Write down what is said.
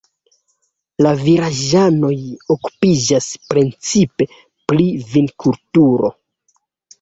La vilaĝanoj okupiĝas precipe pri vinkulturo.